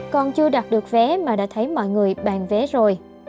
còn chưa đặt được vé mà đã thấy mọi người bàn vé rồi